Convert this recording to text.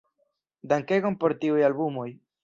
Dankegon por tiuj albumoj!